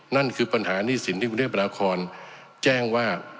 นั่นคือปัญหาหนี้สินที่กรุงเทพนครแจ้งว่า